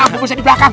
pak ustadz di belakang